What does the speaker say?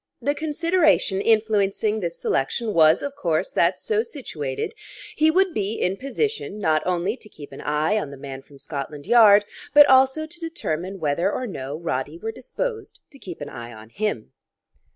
The consideration influencing this selection was of course that, so situated, he would be in position not only to keep an eye on the man from Scotland Yard but also to determine whether or no Roddy were disposed to keep an eye on him.